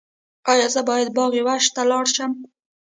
ایا زه باید باغ وحش ته لاړ شم؟